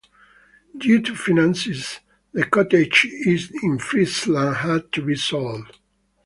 Due to finances, the cottage in Friesland had to be sold.